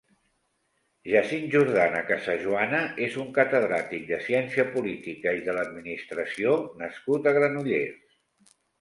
Jacint Jordana Casajuana és un catedràtic de Ciència Política i de l'Administració nascut a Granollers.